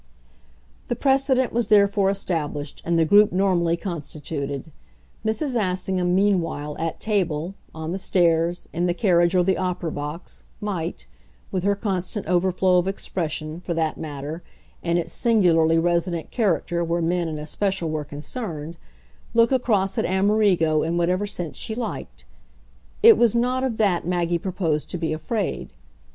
The precedent was therefore established and the group normally constituted. Mrs. Assingham, meanwhile, at table, on the stairs, in the carriage or the opera box, might with her constant overflow of expression, for that matter, and its singularly resident character where men in especial were concerned look across at Amerigo in whatever sense she liked: it was not of that Maggie proposed to be afraid.